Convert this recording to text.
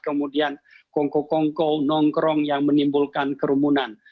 kemudian kongko kongko nongkrong yang menimbulkan kerumunan